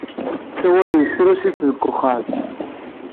Ssawalen s trusit deg uxxam.